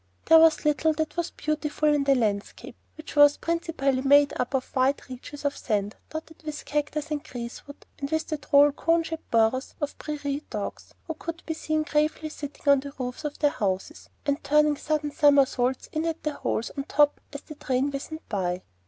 There was little that was beautiful in the landscape, which was principally made up of wide reaches of sand, dotted with cactus and grease wood and with the droll cone shaped burrows of the prairie dogs, who could be seen gravely sitting on the roofs of their houses, or turning sudden somersaults in at the holes on top as the train whizzed by.